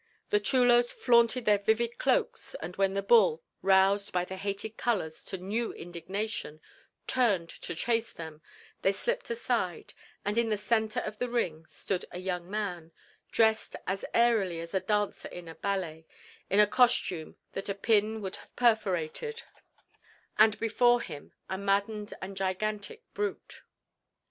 The chulos flaunted their vivid cloaks, and when the bull, roused by the hated colors to new indignation, turned to chase them, they slipped aside and in the centre of the ring stood a young man dressed as airily as a dancer in a ballet, in a costume that a pin would have perforated, and before him a maddened and a gigantic brute.